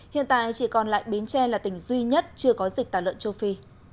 hiện tại chỉ còn lại bến tre là tỉnh duy nhất chưa có dịch tả lợn châu phi